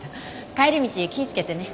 帰り道気ぃ付けてね。